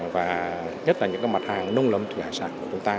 và nhất là những mặt hàng nông lâm thủy hải sản của chúng ta